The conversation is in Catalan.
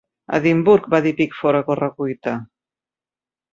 "Edimburg", va dir Pickford a correcuita.